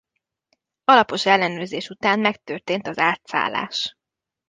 Alapos ellenőrzés után megtörtént az átszállás.